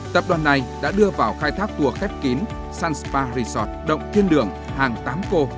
tập đoàn này đã đưa vào khai thác cua khép kín sun spa resort động thiên đường hàng tám cô